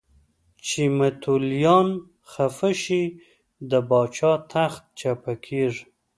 چې متولیان خفه شي د پاچا تخت چپه کېږي.